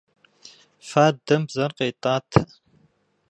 Фадэм бзэр къетӏатэ.